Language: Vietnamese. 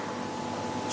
hồi đó là